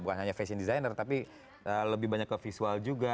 bukan hanya fashion designer tapi lebih banyak ke visual juga